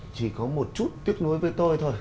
chỉ có một chút tiếc nuối với tôi thôi